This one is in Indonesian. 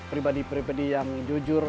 pribadi pribadi yang jujur